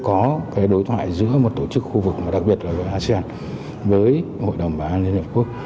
có đối thoại giữa một tổ chức khu vực đặc biệt là asean với hội đồng bảo an liên hợp quốc